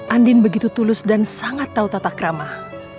andin begitu tulus dan sangat tahu tata keramah